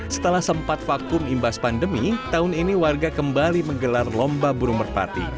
setelah sempat vakum imbas pandemi tahun ini warga kembali menggelar lomba burung merpati